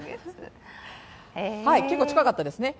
結構近かったですね。